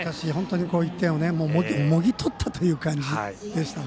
１点をもぎ取ったという感じでしたね。